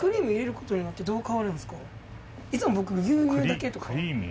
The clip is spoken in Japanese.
いつも僕牛乳だけとか。